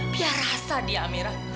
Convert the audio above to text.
biar rasa dia amira